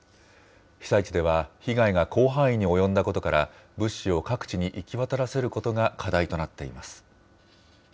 被災地では被害が広範囲に及んだことから、物資を各地に行き渡らせることが課題となっています。